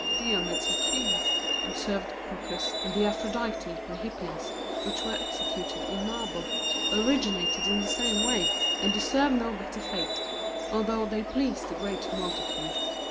"Diomed's Hecuba," observed Proclus, "and the Aphrodite by Hippias, which were executed in marble, originated in the same way, and deserve no better fate, although they please the great multitude.